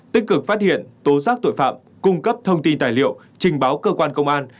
tích cực phát hiện tố giác tội phạm cung cấp thông tin tài liệu trình báo cơ quan công an